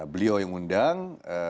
beliau yang undang